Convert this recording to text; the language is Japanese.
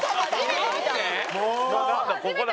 ここだ。